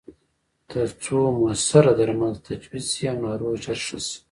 ترڅو موثره درمل تجویز شي او ناروغ ژر ښه شي.